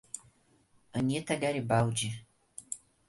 Anita Garibaldi